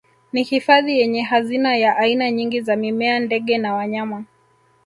Ni hifadhi yenye hazina ya aina nyingi za mimea ndege na wanyama